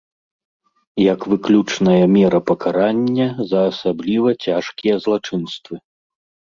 Як выключная мера пакарання за асабліва цяжкія злачынствы.